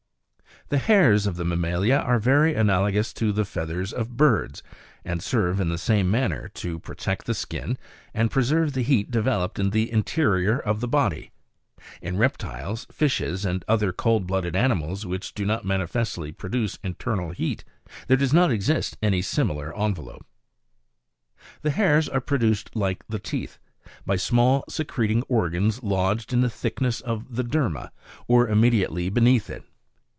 The hairs of the mammalia are very analogous to the feathers of birds, and serve in the same manner to protect the skin, and preserve the heat developed in the interior of the body; in reptiles, fishes and other cold blooded animals which do not manifestly produce internal heat, there does not exist any similar envelope. 6. The hairs are produced like the teeth, by small secreting organs, lodged in the thickness of the derma, or immediately be neath it.